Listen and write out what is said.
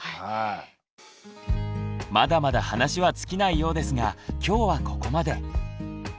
まだまだ話は尽きないようですが今日はここまで。